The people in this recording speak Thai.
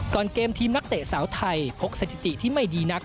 เกมทีมนักเตะสาวไทยพกสถิติที่ไม่ดีนัก